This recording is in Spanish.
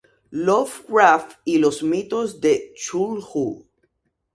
Lovecraft y los mitos de Cthulhu.